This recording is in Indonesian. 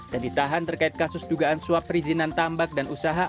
dan ditahan terkait kasus dugaan suap perizinan tambak dan usaha